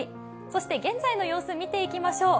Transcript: そして現在の様子、見ていきましょう。